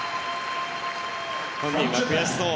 本人は悔しそう。